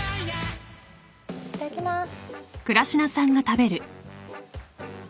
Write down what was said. いただきます。